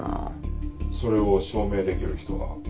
「それを証明できる人は？」